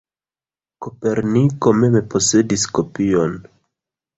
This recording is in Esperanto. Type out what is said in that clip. Koperniko mem posedis kopion.